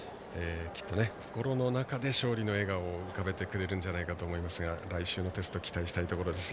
きっと心の中で、勝利の笑顔を浮かべてくれるんじゃないかと思いますが来週のテスト期待したいところです。